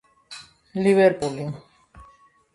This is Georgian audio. ლივერპული